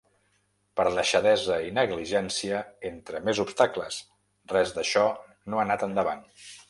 Per deixadesa i negligència, entre més obstacles, res d’això no ha anat endavant.